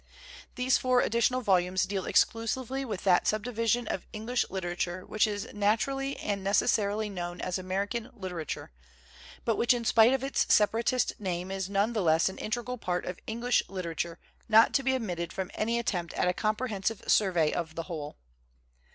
These four additional volumes deal exclusively with that subdivision of English literature which is natu 66 WHAT IS AMERICAN LITERATURE? rally and necessarily known as American lit erature, but which in spite of its separatist name is none the less an integral part of English literature not to be omitted from any attempt at a comprehensive survey of the whole.